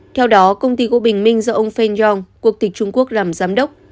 theo đó công ty gỗ bình minh do ông feng yong quốc tịch trung quốc làm giám đốc